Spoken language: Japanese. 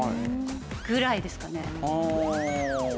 ぐらいですかね？